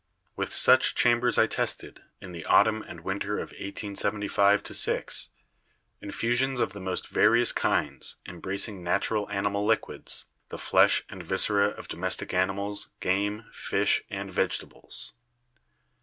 "With such chambers I tested, in the autumn and winter of 1875 6, infusions of the most various kinds, embracing natural animal liquids, the flesh and viscera of domestic animals, game, fish and vegetables.